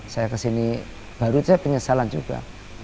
saya ke sini baru saya penyesalan juga